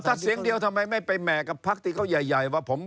ถ้าเสียงเดียวทำไมไม่ไปแห่กับพักที่เขาใหญ่ว่าผม